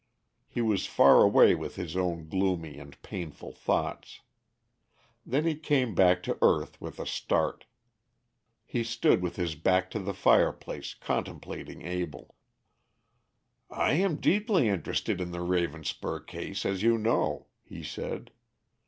He was far away with his own gloomy and painful thoughts. Then he came back to earth with a start. He stood with his back to the fireplace, contemplating Abell. "I am deeply interested in the Ravenspur case, as you know," he said.